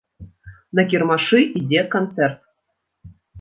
На кірмашы ідзе канцэрт.